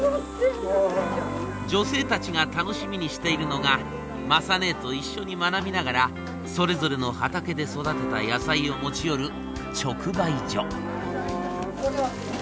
女性たちが楽しみにしているのが雅ねえと一緒に学びながらそれぞれの畑で育てた野菜を持ち寄る直売所。